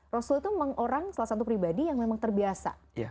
rasul itu memang orang salah satu pribadi yang memang terbiasa